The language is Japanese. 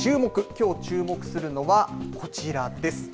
きょう、注目するのは、こちらです。